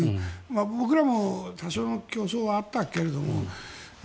僕らも多少の競争はあったけれども。